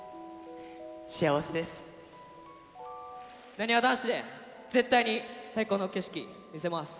なにわ男子で絶対に最高の景色見せます。